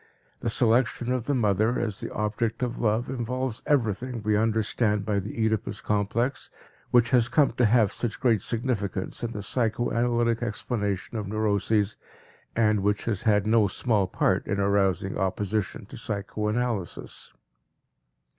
The selection of the mother as the object of love involves everything we understand by the Oedipus complex which has come to have such great significance in the psychoanalytic explanation of neuroses, and which has had no small part in arousing opposition to psychoanalysis.